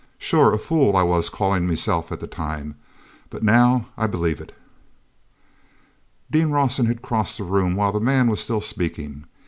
Sure, a fool I was callin' meself at the time, but now I believe it." ean Rawson had crossed the room while the man was still speaking.